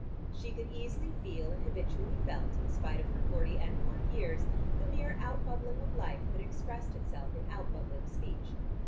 She could easily feel and habitually felt, in spite of her forty and more years, the mere out bubbling of life that expressed itself in out bubbling speech.